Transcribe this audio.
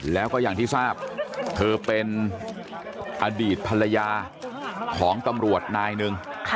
แล้วก็อย่างที่ทราบเธอเป็นอดีตภรรยาของตำรวจนายหนึ่ง